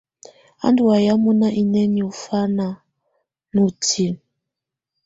Á ndù wayɛ̀á mɔ̀na inǝ́niǝ́ ù fana nà utilǝ.